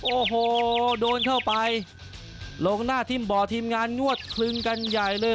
โอ้โหโดนเข้าไปลงหน้าทิ่มบ่อทีมงานงวดคลึงกันใหญ่เลย